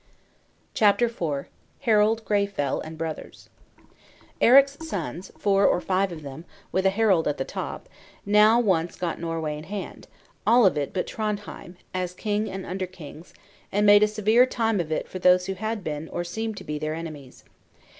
CHAPTER IV. HARALD GREYFELL AND BROTHERS. Eric's sons, four or five of them, with a Harald at the top, now at once got Norway in hand, all of it but Trondhjem, as king and under kings; and made a severe time of it for those who had been, or seemed to be, their enemies.